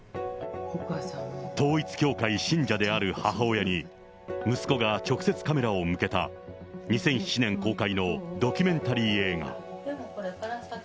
統一教会信者である母親に、息子が直接カメラを向けた２００７年公開のドキュメンタリー映画。